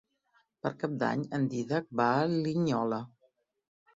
Per Cap d'Any en Dídac va a Linyola.